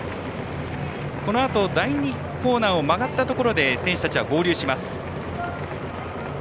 このあと、第２コーナーを曲がったところで選手たちは合流します。